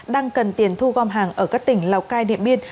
đang cần tiền thu gom hàng ở các tỉnh lào cai điện biên